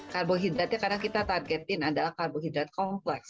karbohidratnya karena kita targetin adalah karbohidrat kompleks